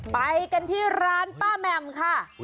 ไปกันที่ร้านป้าแหม่มค่ะ